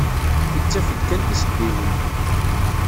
Ittaf-d kan tisebbiwin.